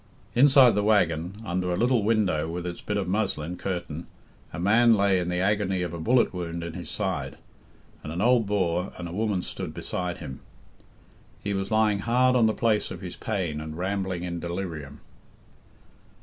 Inside the waggon, under a little window with its bit of muslin curtain, a man lay in the agony of a bullet wound in his side, and an old Boer and a woman stood beside him. He was lying hard on the place of his pain and rambling in delirium.